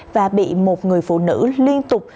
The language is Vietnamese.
và bị một người phụ nữ liên tục